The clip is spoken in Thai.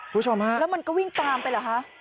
แล้วมันก็วิ่งตามไปหรือฮะ